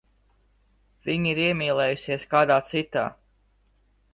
Viņa ir iemīlējusies kādā citā.